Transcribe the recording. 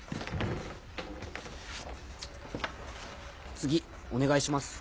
次お願いします。